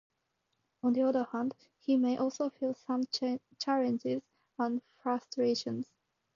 On the other hand, he may also feel some challenges and frustrations.